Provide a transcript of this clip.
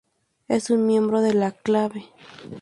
Es un miembro de la Clave.